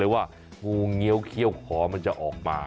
ว่างูเงี้ยวเขี้ยวขอมันจะออกมา